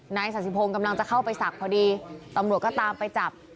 นายสัสสิพงศ์กำลังจะเข้าไปศักดิ์พอดีตำรวจก็ตามไปจับ